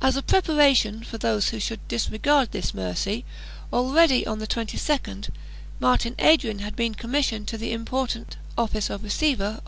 As a preparation for those who should disregard this mercy, already, on the 22d, Martin Adrian had been commissioned to the important office of receiver of CHAP.